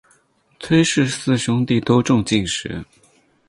崔氏四兄弟都中进士。